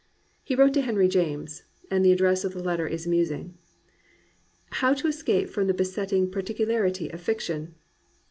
He wrote to Henry James, (and the address of the letter is amusing,) "How to escape from the besotting par ticidarity of fiction